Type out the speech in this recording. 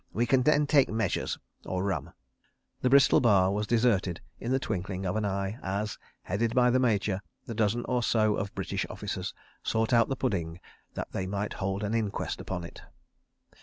"We can then take measures—or rum." The Bristol Bar was deserted in the twinkling of an eye as, headed by the Major, the dozen or so of British officers sought out the Pudding, that they might hold an inquest upon it.